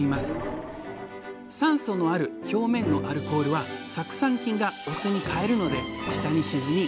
酸素のある表面のアルコールは酢酸菌がお酢に変えるので下に沈み